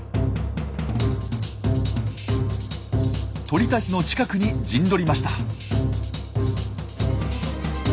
鳥たちの近くに陣取りました。